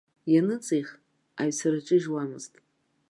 Ианыҵих, аҩцараҿы ижуамызт.